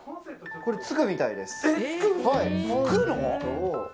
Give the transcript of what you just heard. つくみたいです。